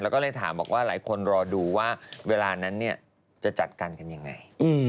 แล้วก็เลยถามบอกว่าหลายคนรอดูว่าเวลานั้นจะจัดการกันยังไง